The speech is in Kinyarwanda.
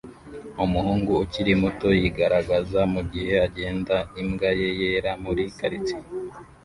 Umuhungu ukiri muto yigaragaza mugihe agenda imbwa ye yera muri quartier